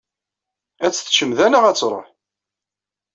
Ad tt-teččem da neɣ ad tṛuḥ?